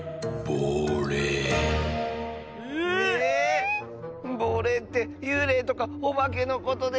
ぼうれいってゆうれいとかおばけのことでしょ